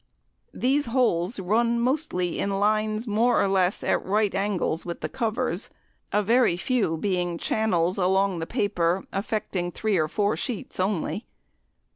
These holes run mostly in lines more or less at right angles with the covers, a very few being channels along the paper affecting three or four sheets only.